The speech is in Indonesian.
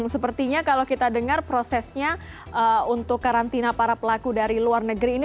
sepertinya kalau kita dengar prosesnya untuk karantina para pelaku dari luar negeri ini